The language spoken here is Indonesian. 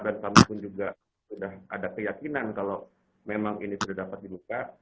dan kami pun juga sudah ada keyakinan kalau memang ini sudah dapat dibuka